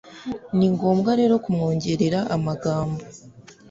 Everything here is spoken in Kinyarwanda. Ni ngombwa rero kumwongerera amagambo